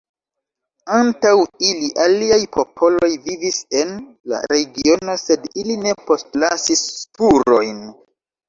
Antaŭ ili, aliaj popoloj vivis en la regiono, sed ili ne postlasis spurojn.